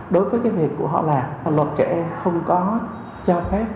đối với cái việc của họ là luật trẻ không có cho phép